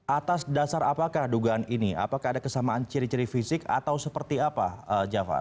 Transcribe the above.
atas dasar apakah dugaan ini apakah ada kesamaan ciri ciri fisik atau seperti apa jafar